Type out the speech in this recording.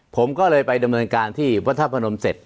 ผมก็เลยไปดำเนินการที่วัฒนภนมเสร็จ